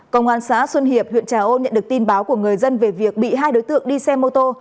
công an xã xuân hiệp huyện trà ôn nhận được tin báo của người dân về việc bị hai đối tượng đi xe mô tô